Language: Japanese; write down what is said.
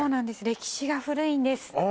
歴史が古いんですああ